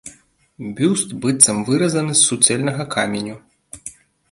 Бюст быццам выразаны з суцэльнага каменю.